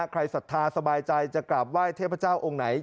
ศรัทธาสบายใจจะกราบไหว้เทพเจ้าองค์ไหน